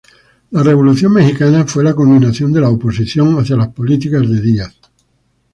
La Revolución Mexicana fue la culminación de la oposición hacia las políticas de Díaz.